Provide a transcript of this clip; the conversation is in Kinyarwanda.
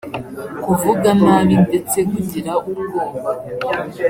kuvuga nabi ndetse kugira ubwoba